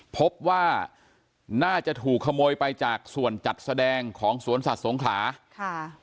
พบว่าน่าจะถูกขโมยไปจากส่วนจัดแสดงของสวนสัตว์สงขลาค่ะ